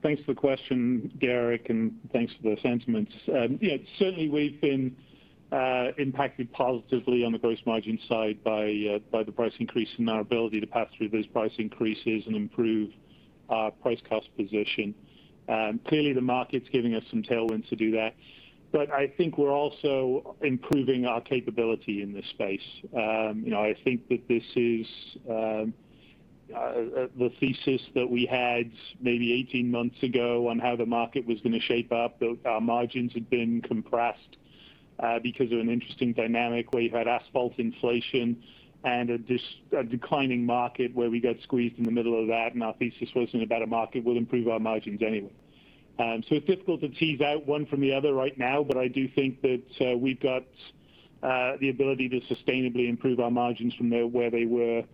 Thanks for the question, Garik, and thanks for the sentiments. Certainly, we've been impacted positively on the gross margin side by the price increase and our ability to pass through those price increases and improve our price-cost position. Clearly, the market's giving us some tailwinds to do that. I think we're also improving our capability in this space. I think that this is the thesis that we had maybe 18 months ago on how the market was going to shape up. Our margins had been compressed because of an interesting dynamic where you had asphalt inflation and a declining market where we got squeezed in the middle of that, and our thesis was in a better market will improve our margins anyway. It's difficult to tease out one from the other right now, but I do think that we've got the ability to sustainably improve our margins from where they were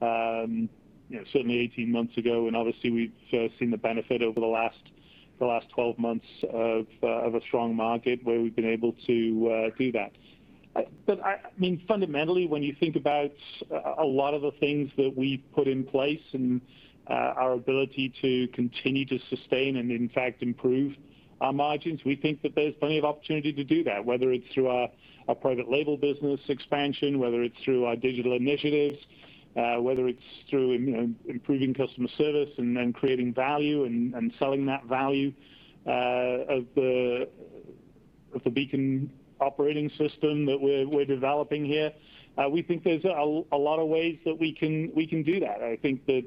certainly 18 months ago. Obviously, we've seen the benefit over the last the last 12 months of a strong market where we've been able to do that. Fundamentally, when you think about a lot of the things that we've put in place and our ability to continue to sustain and in fact improve our margins, we think that there's plenty of opportunity to do that, whether it's through our private label business expansion, whether it's through our digital initiatives, whether it's through improving customer service and creating value and selling that value of the Beacon Operating System that we're developing here. We think there's a lot of ways that we can do that. I think that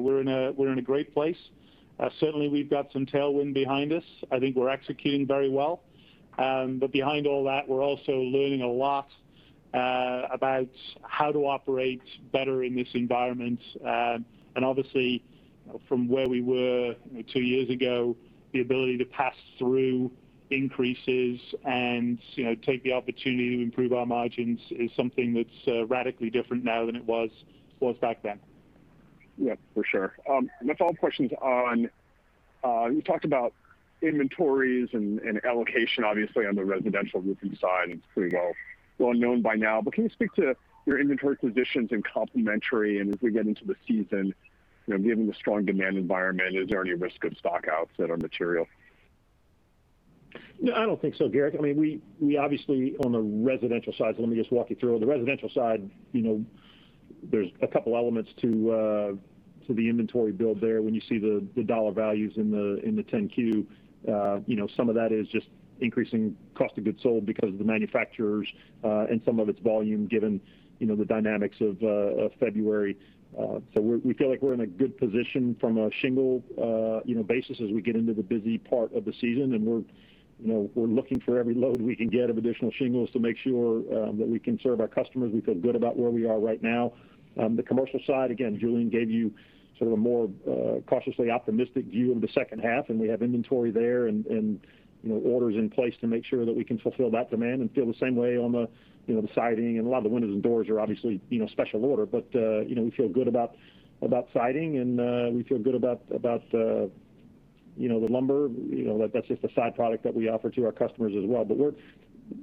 we're in a great place. Certainly, we've got some tailwind behind us. I think we're executing very well. Behind all that, we're also learning a lot about how to operate better in this environment. Obviously, from where we were two years ago, the ability to pass through increases and take the opportunity to improve our margins is something that's radically different now than it was back then. Yeah, for sure. Let's follow up questions on, you talked about inventories and allocation, obviously, on the residential roofing side. It's pretty well known by now, but can you speak to your inventory positions in complementary and as we get into the season, given the strong demand environment, is there any risk of stock-outs that are material? No, I don't think so, Garik. On the residential side, let me just walk you through. On the residential side, there's a couple elements to the inventory build there. When you see the dollar values in the 10-Q, some of that is just increasing cost of goods sold because of the manufacturers, and some of it's volume given the dynamics of February. We feel like we're in a good position from a shingle basis as we get into the busy part of the season. We're looking for every load we can get of additional shingles to make sure that we can serve our customers. We feel good about where we are right now. The commercial side, again, Julian gave you a more cautiously optimistic view of the second half. We have inventory there and orders in place to make sure that we can fulfill that demand and feel the same way on the siding. A lot of the windows and doors are obviously special order. We feel good about siding, and we feel good about the lumber. That's just a side product that we offer to our customers as well.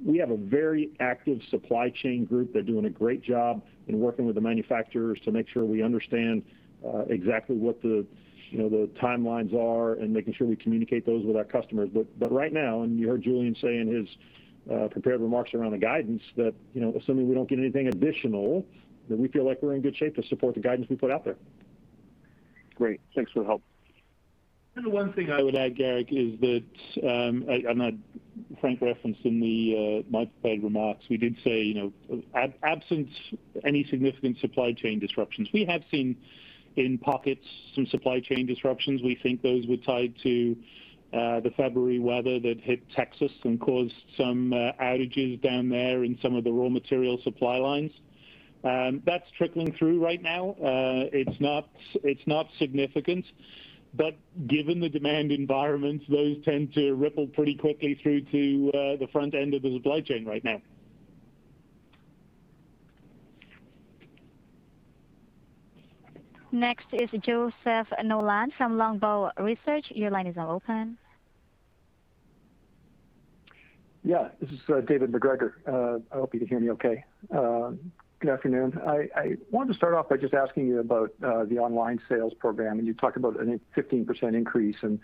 We have a very active supply chain group. They're doing a great job in working with the manufacturers to make sure we understand exactly what the timelines are and making sure we communicate those with our customers. Right now, and you heard Julian say in his prepared remarks around the guidance that, assuming we don't get anything additional, that we feel like we're in good shape to support the guidance we put out there. Great. Thanks for the help. The one thing I would add, Garik, is that, and Frank referenced in my prepared remarks, we did say, absence any significant supply chain disruptions. We have seen in pockets some supply chain disruptions. We think those were tied to the February weather that hit Texas and caused some outages down there in some of the raw material supply lines. That's trickling through right now. It's not significant, but given the demand environments, those tend to ripple pretty quickly through to the front end of the supply chain right now. Next is Joseph Nolan from Longbow Research.Your line is open. This is David MacGregor. I hope you can hear me okay. Good afternoon. I wanted to start off by just asking you about the online sales program, and you talked about a 15% increase, and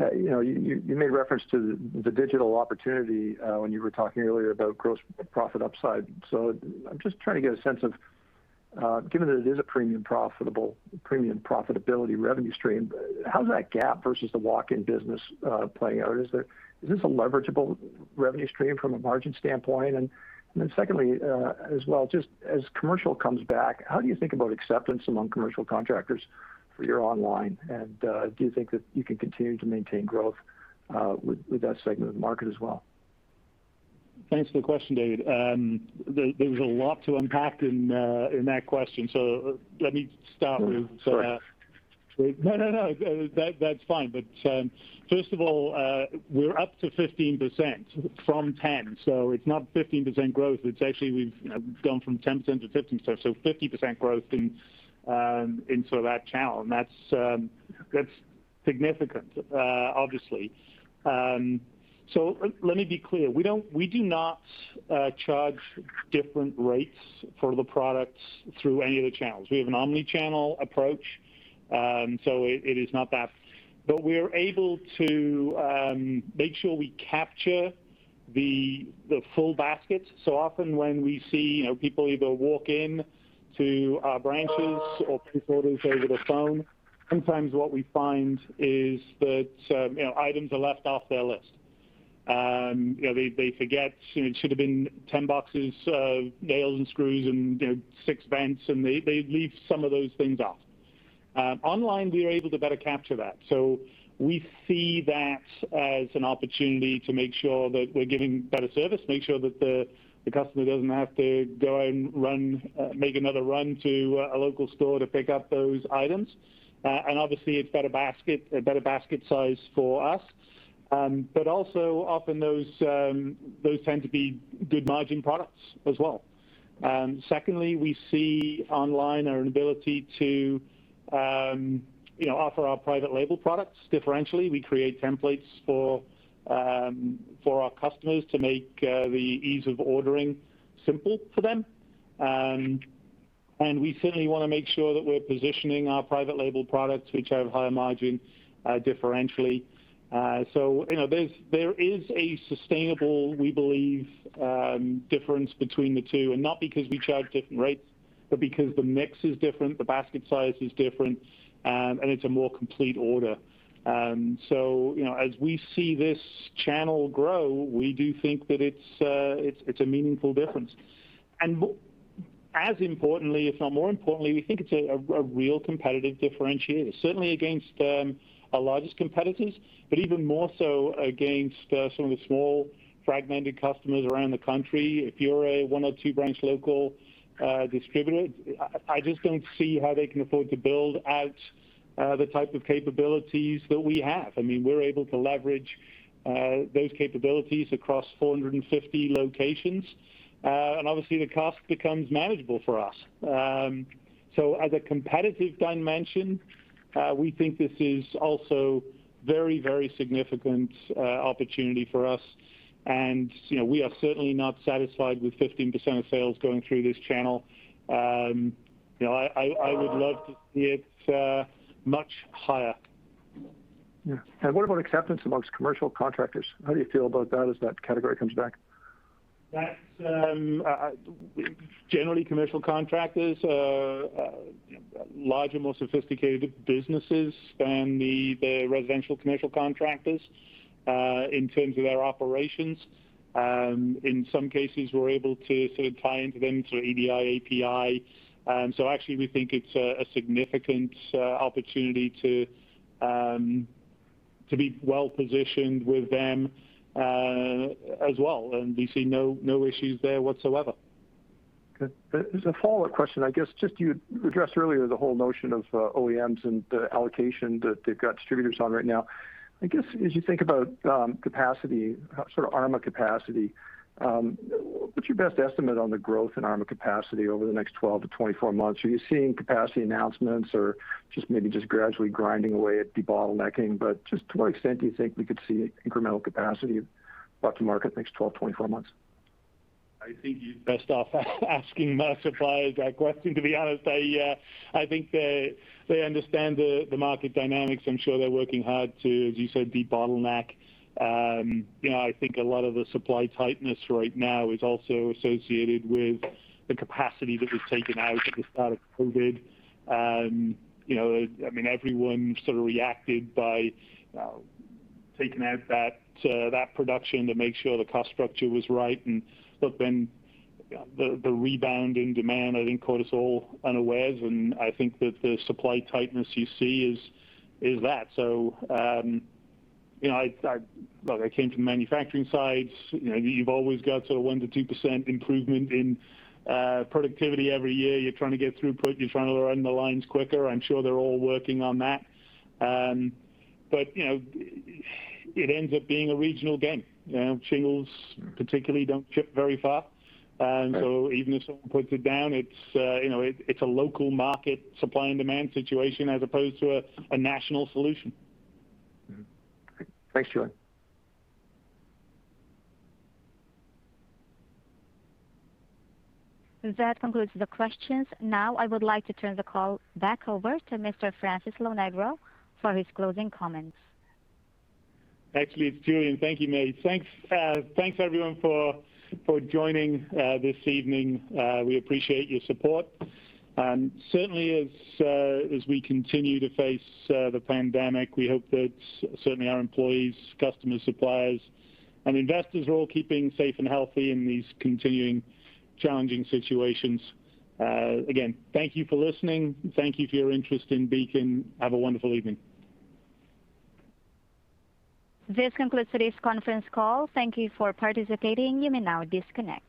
you made reference to the digital opportunity when you were talking earlier about gross profit upside. I'm just trying to get a sense of, given that it is a premium profitability revenue stream, how does that gap versus the walk-in business play out? Is this a leverageable revenue stream from a margin standpoint? Secondly, as well, just as commercial comes back, how do you think about acceptance among commercial contractors for your online? Do you think that you can continue to maintain growth with that segment of the market as well? Thanks for the question, David. There was a lot to unpack in that question, so let me start with. Sorry. No, that's fine. First of all, we're up to 15% from 10%. It's not 15% growth, it's actually we've gone from 10% to 15%, so 50% growth in that channel, and that's significant, obviously. Let me be clear. We do not charge different rates for the products through any of the channels. We have an omni-channel approach. It is not that. We are able to make sure we capture the full basket. Often when we see people either walk in to our branches or place orders over the phone, sometimes what we find is that items are left off their list. They forget it should've been 10 boxes of nails and screws and six vents, and they leave some of those things off. Online, we are able to better capture that. We see that as an opportunity to make sure that we're giving better service, make sure that the customer doesn't have to go out and make another run to a local store to pick up those items. Obviously, it's a better basket size for us. But also often those tend to be good margin products as well. Secondly, we see online our inability to offer our private label products differentially. We create templates for our customers to make the ease of ordering simple for them. We certainly want to make sure that we're positioning our private label products, which have higher margins differentially. There is a sustainable, we believe, difference between the two. Not because we charge different rates, but because the mix is different, the basket size is different, and it's a more complete order. As we see this channel grow, we do think that it's a meaningful difference. As importantly, if not more importantly, we think it's a real competitive differentiator, certainly against our largest competitors, but even more so against some of the small fragmented customers around the country. If you're a one or two branch local distributor, I just don't see how they can afford to build out the type of capabilities that we have. We're able to leverage those capabilities across 450 locations. Obviously the cost becomes manageable for us. As a competitive dimension, we think this is also very significant opportunity for us. We are certainly not satisfied with 15% of sales going through this channel. I would love to see it much higher. Yeah. What about acceptance amongst commercial contractors? How do you feel about that as that category comes back? Generally commercial contractors are larger, more sophisticated businesses than the residential commercial contractors, in terms of their operations. In some cases, we're able to sort of tie into them through EDI, API. Actually, we think it's a significant opportunity to be well-positioned with them as well. We see no issues there whatsoever. Good. There's a follow-up question. I guess, just you addressed earlier the whole notion of OEMs and the allocation that they've got distributors on right now. I guess, as you think about capacity, sort of ARMA capacity, what's your best estimate on the growth in ARMA capacity over the next 12 to 24 months? Are you seeing capacity announcements or just maybe gradually grinding away at de-bottlenecking, but just to what extent do you think we could see incremental capacity brought to market next 12, 24 months? I think you're best off asking my suppliers that question, to be honest. I think they understand the market dynamics. I'm sure they're working hard to, as you said, de-bottleneck. I think a lot of the supply tightness right now is also associated with the capacity that was taken out at the start of COVID. Everyone sort of reacted by taking out that production to make sure the cost structure was right. The rebound in demand, I think caught us all unawares. I think that the supply tightness you see is that. I came from the manufacturing side. You've always got sort of 1% to 2% improvement in productivity every year. You're trying to run the lines quicker. I'm sure they're all working on that. It ends up being a regional game. Shingles particularly don't ship very far. Right. Even if someone puts it down, it's a local market supply and demand situation as opposed to a national solution. Mm-hmm. Thanks, Julian. That concludes the questions. Now, I would like to turn the call back over to Mr. Frank Lonegro for his closing comments. Actually, it's Julian. Thank you, Mei. Thanks everyone for joining this evening. We appreciate your support. Certainly as we continue to face the pandemic, we hope that certainly our employees, customers, suppliers, and investors are all keeping safe and healthy in these continuing challenging situations. Again, thank you for listening. Thank you for your interest in Beacon. Have a wonderful evening. This concludes today's conference call. Thank Thank you for participating. You may now disconnect.